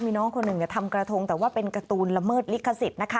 มีน้องคนหนึ่งทำกระทงแต่ว่าเป็นการ์ตูนละเมิดลิขสิทธิ์นะคะ